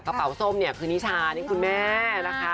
กระเป๋าส้มเนี่ยคือนิชานี่คุณแม่นะคะ